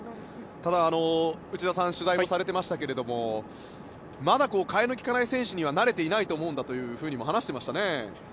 ただ内田さん取材もされていましたがまだ代えの利かない選手にはなれていないと思うんだと話していましたね。